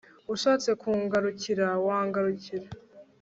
ushatse kungarukira wangarukira